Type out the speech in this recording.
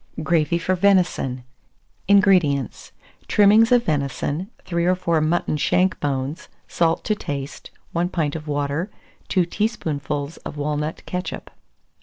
GRAVY FOR VENISON. 444. INGREDIENTS. Trimmings of venison, 3 or 4 mutton shank bones, salt to taste, 1 pint of water, 2 teaspoonfuls of walnut ketchup.